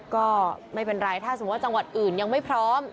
ก็ไม่เป็นไรถ้าสมมุติจังหวัดอื่นยังไม่พร้อม